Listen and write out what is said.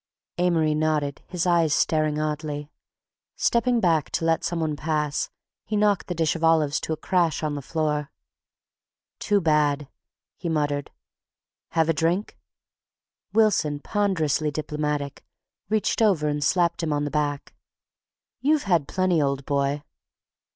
Amory nodded, his eyes staring oddly. Stepping back to let some one pass, he knocked the dish of olives to a crash on the floor. "Too bad," he muttered. "Have a drink?" Wilson, ponderously diplomatic, reached over and slapped him on the back. "You've had plenty, old boy."